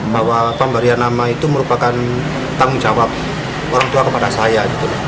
bahwa pemberian nama itu merupakan tanggung jawab orang tua kepada saya